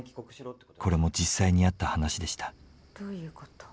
これも実際にあった話でした。